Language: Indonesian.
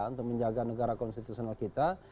untuk menjaga negara konstitusional kita